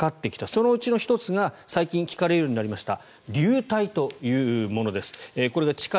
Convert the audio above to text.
そのうちの１つが最近聞かれるようになりました